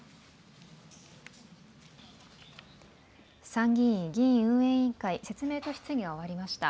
参議院議院運営委員会、説明と質疑が終わりました。